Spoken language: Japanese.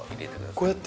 こうやって？